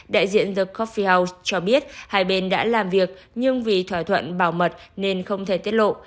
đại diện the cophels cho biết hai bên đã làm việc nhưng vì thỏa thuận bảo mật nên không thể tiết lộ